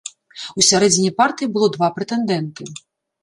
У сярэдзіне партыі было два прэтэндэнты.